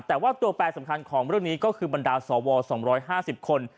แต่ว่าตัวแปรสำคัญของเรื่องนี้ก็คือบรรดาสว๒๕๐คน